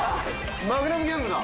マグナムギャングだ。